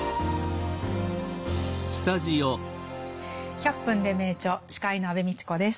「１００分ｄｅ名著」司会の安部みちこです。